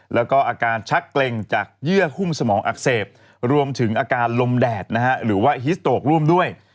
แล้วก็อาการชักเกร็งจากเยื่อหุ้มสมองอักเสบรวมถึงอาการลมแดดนะฮะหรือว่าฮิสโตรกร่วมด้วย